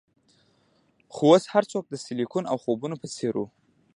خو اوس هرڅه د سیلیکون او خوبونو په څیر وو